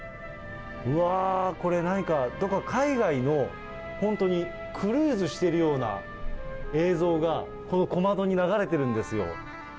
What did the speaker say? うわー、これ、何か、どこか海外の本当にクルーズしているような映像が、この小窓に流れてるんですよ。